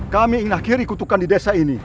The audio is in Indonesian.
kami ingin akhiri kutukan di desa ini